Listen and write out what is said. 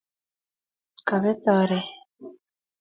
kapet oret